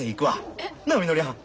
えっ？なあみのりはん。